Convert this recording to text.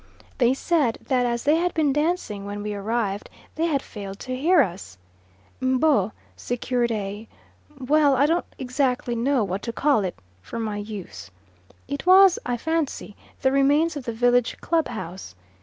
They said that as they had been dancing when we arrived they had failed to hear us. M'bo secured a well, I don't exactly know what to call it for my use. It was, I fancy, the remains of the village club house.